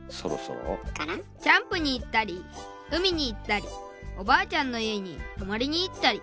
「キャンプに行ったり海に行ったりおばあちゃんの家にとまりにいったり」。